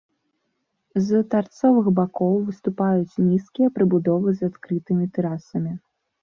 З тарцовых бакоў выступаюць нізкія прыбудовы з адкрытымі тэрасамі.